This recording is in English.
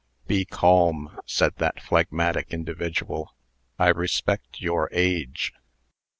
"Be calm," said that phlegmatic individual. "I respect your age."